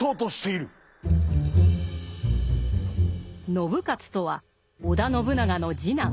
信雄とは織田信長の次男。